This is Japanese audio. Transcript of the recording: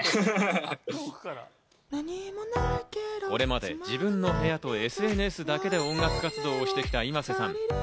これまで自分の部屋とＳＮＳだけで音楽活動をしてきたｉｍａｓｅさん。